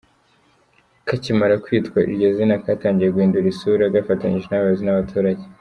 Kakimara kwitwa iryo zina katangiye guhindura isura gafatanyije n’abayobozi n’abaturage.